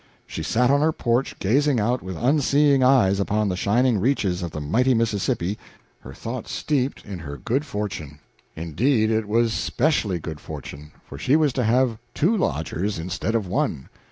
She sat on her porch gazing out with unseeing eyes upon the shining reaches of the mighty Mississippi, her thoughts steeped in her good fortune. Indeed, it was specially good fortune, for she was to have two lodgers instead of one.